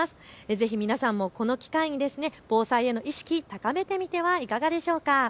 ぜひ皆さんもこの機会に防災への意識、高めてみてはいかがでしょうか。